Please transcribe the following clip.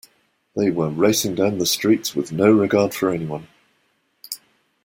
They were racing down the streets with no regard for anyone.